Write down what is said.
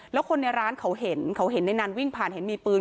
แล้วคนในร้านเขาเห็นเขาเห็นในนั้นวิ่งผ่านเห็นมีปืน